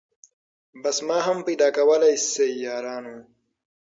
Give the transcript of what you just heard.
بس ما هم پیدا کولای سی یارانو